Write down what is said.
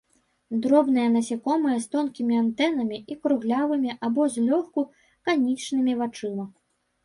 Дробныя насякомыя з тонкімі антэнамі і круглявымі або злёгку канічнымі вачыма.